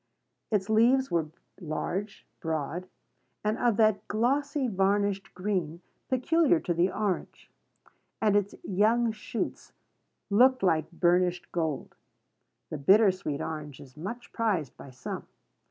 Its leaves were large, broad, and of that glossy, varnished green peculiar to the orange; and its young shoots looked like burnished gold. The bitter sweet orange is much prized by some.